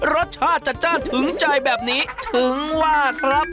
รสชาติจัดจ้านถึงใจแบบนี้ถึงว่าครับ